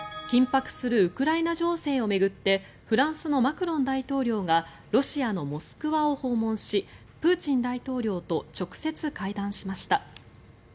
緊迫するウクライナ情勢を巡ってフランスのマクロン大統領がロシアのモスクワを訪問しプーチン大統領と直接会談しました。